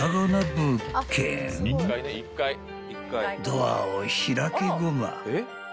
［ドアを開けごま］